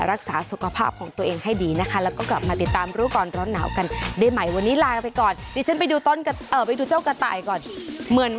อ่ะขึ้นไปทำอะไรตรงนู้น